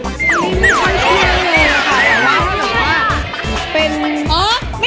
เชอรี่มันความเชี่ยวเลยค่ะ